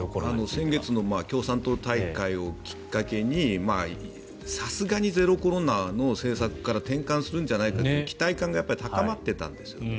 先月の共産党大会をきっかけにさすがにゼロコロナの政策から転換するんじゃないかという期待感がやっぱり高まってたんですよね。